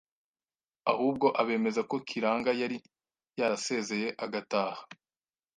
ahubwo abemeza ko Kiranga yari yarasezeye agataha.